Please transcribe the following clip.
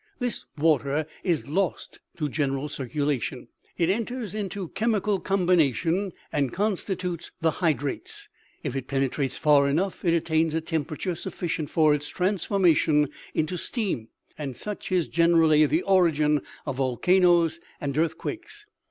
" This water is lost to general circulation. It enters into chemical combination and constitutes the hydrates. If it penetrates far enough, it attains a temperature suffi cient for its transformation into steam, and such is gener ally the origin of volcanoes and earthquakes.